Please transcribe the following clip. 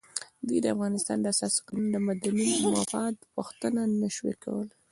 دوی د افغانستان د اساسي قانون د مدني مفاد پوښتنه نه شوای کولای.